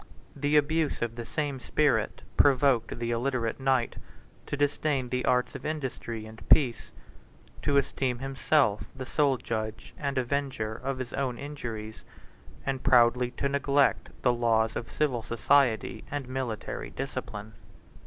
The abuse of the same spirit provoked the illiterate knight to disdain the arts of industry and peace; to esteem himself the sole judge and avenger of his own injuries; and proudly to neglect the laws of civil society and military discipline.